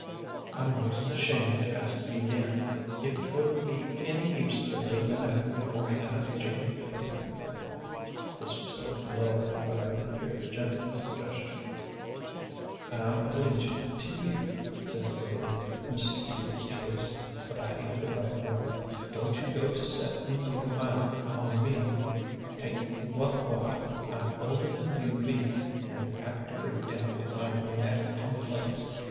"I'm 'most ashamed to ask ye again if 't would be any use to lay the matter before Hannah Jane Pinkham?" This was spoken lower, but I could hear the gentle suggestion. "I'm obleeged to you" said the lady of Mr. Teaby's choice, "but I ain't the right one. Don't you go to settin' your mind on me: 't ain't wuth while. I'm older than you be, an' apt to break down with my rheumatic complaints.